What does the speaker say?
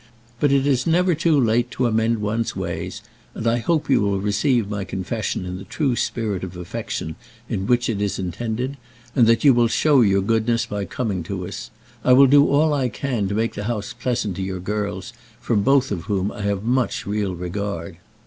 But it is never too late to amend one's ways; and I hope you will receive my confession in the true spirit of affection in which it is intended, and that you will show your goodness by coming to us. I will do all I can to make the house pleasant to your girls, for both of whom I have much real regard.